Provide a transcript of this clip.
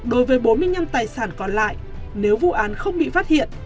đối với bốn mươi năm tài sản còn lại nếu vụ án không bị phát hiện